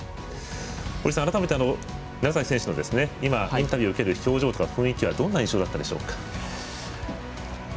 改めて、楢崎選手インタビューを受ける表情とか雰囲気はどんな印象だったでしょうか？